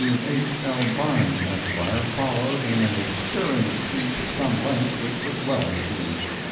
W. H. L. Barnes, Esq., followed in a stirring speech of some length, which was well received.